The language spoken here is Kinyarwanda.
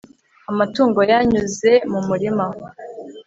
amatungo yanyuze mu murima